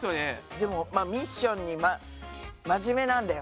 でもミッションに真面目なんだよ。